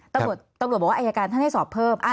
ตำรวจบอกว่าอายการท่านให้สอบเพิ่ม